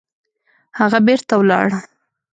هغه بېرته ولاړه